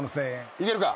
いけるか？